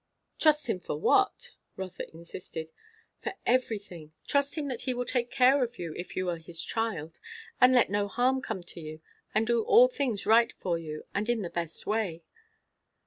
"Trust him for what?" Rotha insisted. "For everything. Trust him that he will take care of you, if you are his child; and let no harm come to you; and do all things right for you, and in the best way."